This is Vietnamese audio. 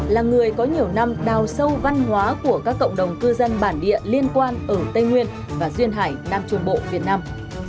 là người có nhiều năm đào sâu văn hóa của các cộng đồng cư dân bản địa liên quan ở tây nguyên và duyên hải nam trung bộ việt nam